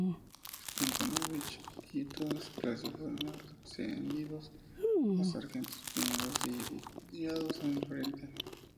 Stepanović y toda su clase fueron ascendidos a sargentos primeros y enviados al frente.